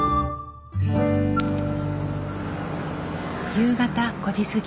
夕方５時過ぎ。